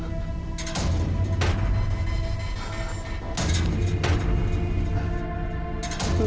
aduh jangan pak rt